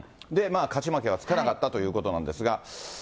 勝ち負けはつかなかったということなんですが。